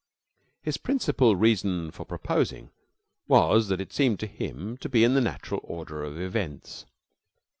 His principal reason for proposing was that it seemed to him to be in the natural order of events.